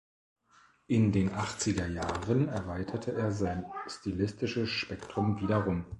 In den Achtzigerjahren erweiterte er sein stilistisches Spektrum wiederum.